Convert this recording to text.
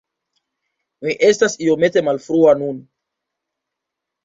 Mi estas iomete malfrua nun.